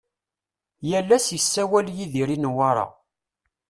Yal ass isawal Yidir i Newwara.